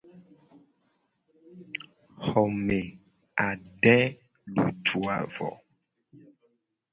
Xome a de lutuu a vo.